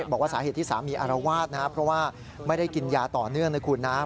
บอกว่าสาเหตุที่สามีอารวาสนะครับเพราะว่าไม่ได้กินยาต่อเนื่องนะคุณนะ